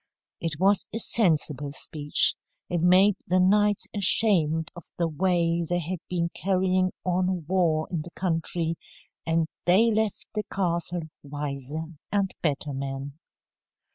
It was a sensible speech. It made the knights ashamed of the way they had been carrying on war in the country, and they left the castle wiser and better men.